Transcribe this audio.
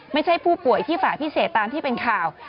ไม่ใช่ผู้ป่วยที่ฝ่ายพิเศษตามที่เป็นข่าว